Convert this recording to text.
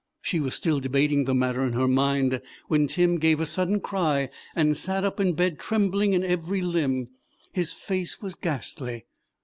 She was still debating the matter in her mind when Tim gave a sudden cry and sat up in bed, trembling in every limb. His face was ghastly.